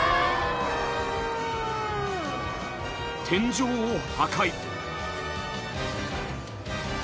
［天井を破壊］